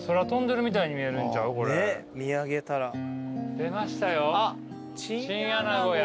出ましたよ。